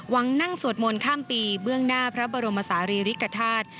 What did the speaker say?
วังนั่งสวดมนต์ข้ามปีเบื้องหน้าพระบรมศาลีริกฐาตุ